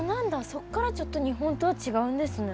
そっからちょっと日本とは違うんですね。